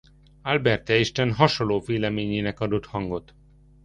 Albert Einstein hasonló véleményének adott hangot.